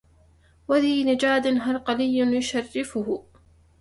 وذي نجاد هرقلي يشرفه